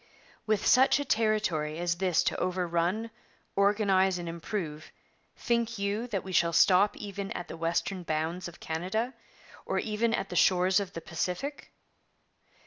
With such a territory as this to overrun, organize, and improve, think you that we shall stop even at the western bounds of Canada, or even at the shores of the Pacific?